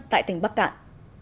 tại tỉnh bắc cạn